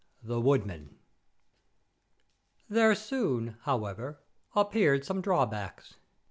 The Woodman "There soon, however, appeared some drawbacks.